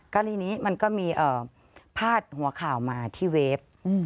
ก็ทีนี้มันก็มีภาษาหัวข่าวมาที่เว็บ